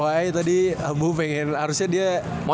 fyi tadi abu pengen harusnya dia